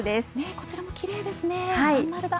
こちらもきれいですね、まん丸だ。